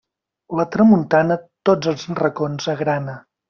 La tramuntana, tots els racons agrana.